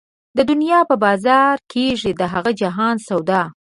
د دنيا په بازار کېږي د هغه جهان سودا